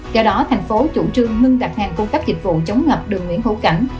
do đó tp chủ trương ngưng đặt hàng cung cấp dịch vụ chống ngập đường nguyễn hữu cảnh